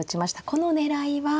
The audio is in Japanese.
この狙いは。